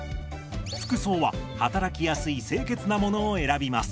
服装は働きやすい清潔なものを選びます。